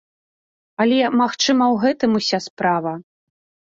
Але, магчыма, у гэтым уся справа?